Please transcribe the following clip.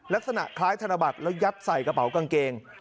ลักษณะคล้ายธนบัตรแล้วยัดใส่กระเป๋ากางเกง